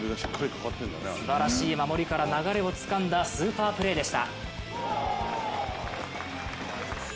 すばらしい守りから流れをつかんだスーパープレーでした。